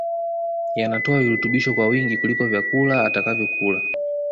yanatoa virutubisho kwa wingi kuliko vyakula atakavyokula